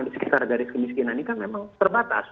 di sekitar garis kemiskinan ini kan memang terbatas